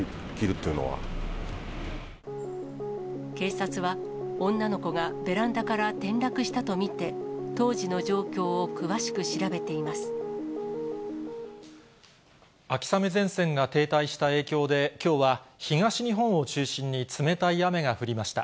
警察は、女の子がベランダから転落したと見て、当時の状況を詳しく調べて秋雨前線が停滞した影響で、きょうは東日本を中心に冷たい雨が降りました。